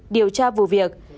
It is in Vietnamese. điều tra vụ việc